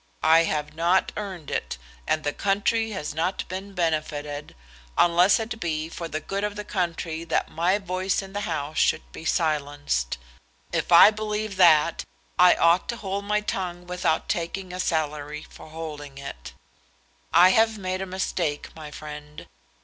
I have not earned it, and the country has not been benefited, unless it be for the good of the country that my voice in the House should be silenced. If I believe that, I ought to hold my tongue without taking a salary for holding it. I have made a mistake, my friend.